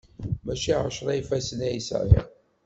Mačči ɛecra ifassen ay sɛiɣ!